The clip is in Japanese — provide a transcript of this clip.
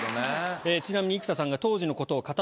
ちなみに生田さんが。